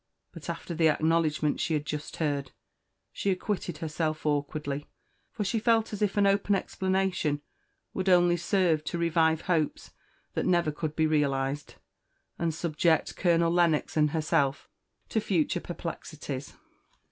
But after the acknowledgment she had just heard, she acquitted herself awkwardly; for she felt as if an open explanation would only serve to revive hopes that never could be realised, and subject Colonel Lennox and herself to future perplexities.